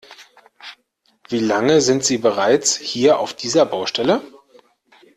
Wie lange sind sie bereits hier auf dieser Baustelle?